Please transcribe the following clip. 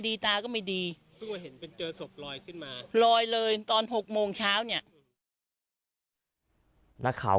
มีคุณพยายาม